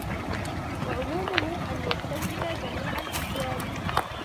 وَعُمُومُهُ أَنْ يَسْتَوْجِبَ جَمِيعَ الْأَحْوَالِ